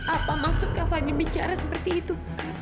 apa maksudkah fadil bicara seperti itu